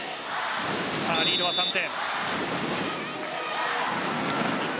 リードは３点。